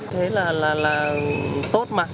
thế là tốt mà